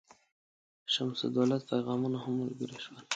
شمس الدوله پیغامونه هم ملګري شول.